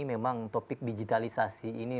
memang topik digitalisasi ini